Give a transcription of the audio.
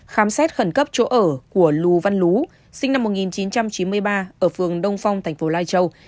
khám xét khẩn cấp chỗ ở của lù văn lú sinh năm một nghìn chín trăm chín mươi ba ở phường đông phong thành phố lai châu